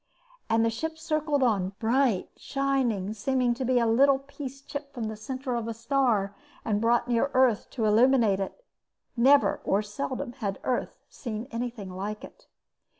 And the ship circled on, bright, shining, seeming to be a little piece clipped from the center of a star and brought near Earth to illuminate it. Never, or seldom, had Earth seen anything like it.